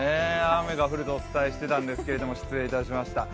雨が降るとお伝えしてたんですが失礼いたしました。